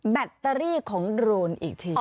แบตเตอรี่ของโดรนอีกที